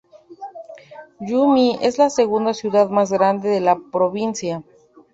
Gumi es la segunda ciudad más grande de la provincia.